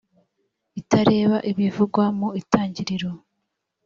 itareba ibivugwa mu itangiriro